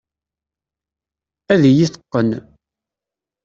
Ad iyi-teqqen.